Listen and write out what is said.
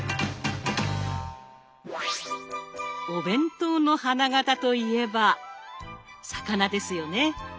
お弁当の花形といえば魚ですよね。